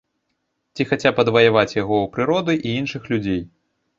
Ці хаця б адваяваць яго ў прыроды і іншых людзей.